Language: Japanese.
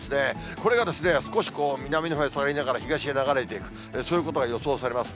これがですね、少しこう、南のほうへ下がりながら東へ流れていく、そういうことが予想されます。